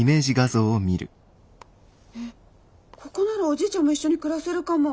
ここならおじいちゃんも一緒に暮らせるかも。